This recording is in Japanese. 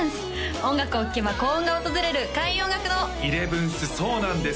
音楽を聴けば幸運が訪れる開運音楽堂イレブンスそうなんです